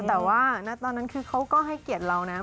แต่ว่าณตอนนั้นคือเขาก็ให้เกียรติเรานะ